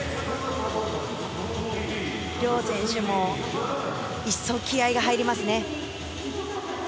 諒選手も一層気合が入りますね。